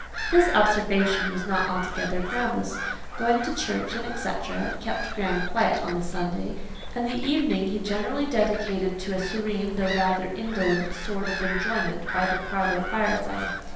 This observation was not altogether groundless: going to church, &c., kept Graham quiet on the Sunday, and the evening he generally dedicated to a serene, though rather indolent sort of enjoyment by the parlour fireside.